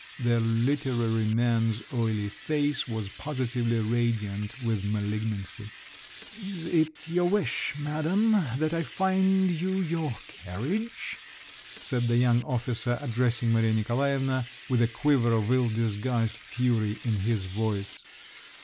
The "literary man's" oily face was positively radiant with malignancy. "Is it your wish, madam, that I find you your carriage?" said the young officer addressing Maria Nikolaevna with a quiver of ill disguised fury in his voice.